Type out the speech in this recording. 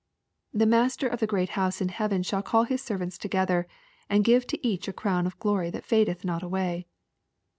The Master of the great house in heaven shall call His servants together, and give to each a crown of glory that fadeth not away.